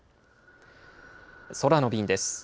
空の便です。